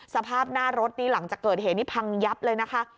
สภาพหน้ารถนี่หลังจากเกิดเหตุนี้พังยับเลยนะคะ